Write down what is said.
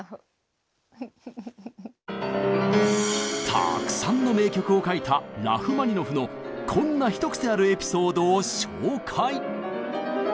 たくさんの名曲を書いたラフマニノフのこんな一癖あるエピソードを紹介！